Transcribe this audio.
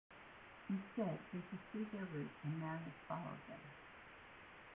Instead, they pursued their route, and Marius followed them.